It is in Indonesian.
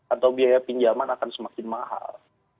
atau biaya pinjaman akan semakin mahal